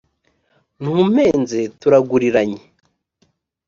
ntumpenze turaguriranye